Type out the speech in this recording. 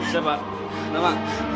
siapa pak nama